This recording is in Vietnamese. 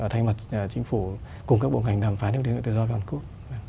thay mặt chính phủ cùng các bộ ngành đàm phán về tiền lượng tự do của hàn quốc